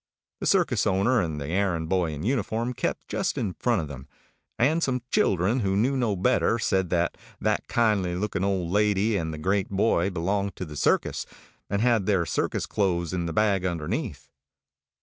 The circus owner and the errand boy in uniform kept just in front of them, and some children who knew no better said that that kind looking old lady and the great boy belonged to the circus, and had their circus clothes in the bag underneath.